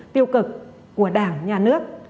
tiêu cực của đảng nhà nước